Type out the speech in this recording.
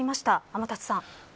天達さん。